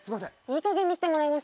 いいかげんにしてもらえます？